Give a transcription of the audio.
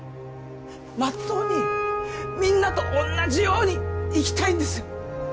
まっとうにみんなとおんなじように生きたいんですよ。